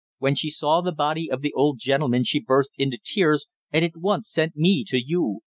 When she saw the body of the old gentleman she burst into tears, and at once sent me to you.